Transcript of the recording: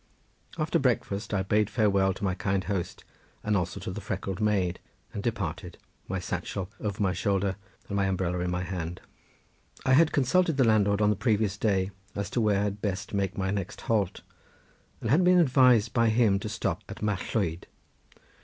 After breakfast I bade farewell to my kind hosts and also to the freckled maid, and departed, my sachel o'er my shoulder and my umbrella in my hand. I had consulted the landlord on the previous day as to where I had best make my next halt, and had been advised by him to stop at Mallwyd.